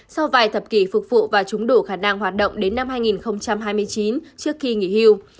sau vài thập kỷ phục vụ và trúng đủ khả năng hoạt động đến năm hai nghìn hai mươi chín trước khi nghỉ hưu